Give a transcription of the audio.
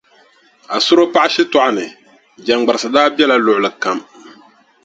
Asuro paɣa shitɔɣu ni, jaŋgbarisi daa bela luɣili kam.